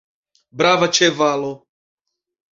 Brava ĉevalo!